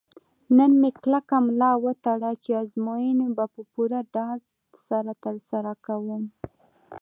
نن مې کلکه ملا وتړله چې ازموینې به په پوره ډاډ سره ترسره کوم.